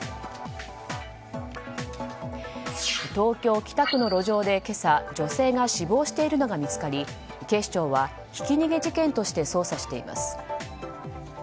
東京・北区の路上で今朝女性が死亡しているのが見つかり警視庁はひき逃げ事件として捜査しています。